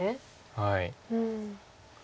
はい。